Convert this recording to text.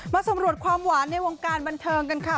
สำรวจความหวานในวงการบันเทิงกันค่ะ